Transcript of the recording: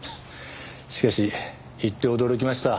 しかし行って驚きました。